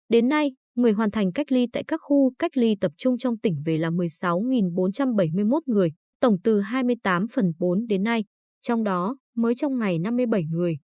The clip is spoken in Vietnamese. đến nay người hoàn thành cách ly tại các khu cách ly tập trung trong tỉnh về là một mươi sáu bốn trăm bảy mươi một người tổng từ hai mươi tám phần bốn đến nay trong đó mới trong ngày năm mươi bảy người